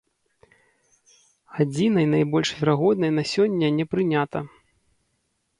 Адзінай найбольш верагоднай на сёння не прынята.